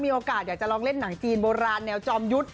อยากจะลองเล่นหนังจีนโบราณแนวจอมยุทธ์